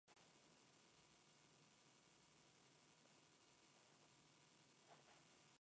Sus casas eran de barro y caña y por eso no se han conservado.